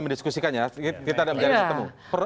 mendiskusikannya kita akan ketemu